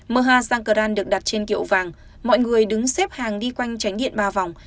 mờ ha sang cờ ran được đặt trên kiệu vàng mọi người đứng xếp hàng đi quanh tránh điện ba vòng